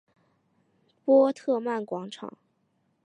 波特曼广场。